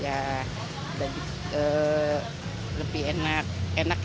jadi lebih enak